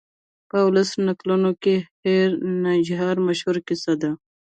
په ولسي نکلونو کې هیر رانجھا مشهوره کیسه ده.